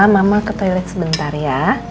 mama ke toilet sebentar ya